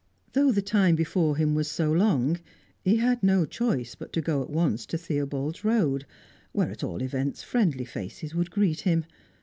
Though the time before him was so long, he had no choice but to go at once to Theobald's Road, where at all events friendly faces would greet him.